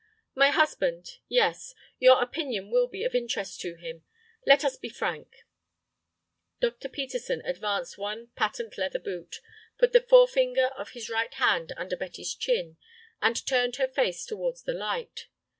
"My husband? Yes—Your opinion will be of interest to him. Let us be frank." Dr. Peterson advanced one patent leather boot, put the forefinger of his right hand under Betty's chin, and turned her face towards the light.